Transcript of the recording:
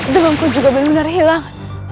dengan ku juga benar benar hilang